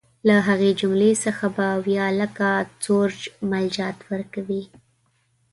له هغې جملې څخه به اویا لکه سورج مل جاټ ورکوي.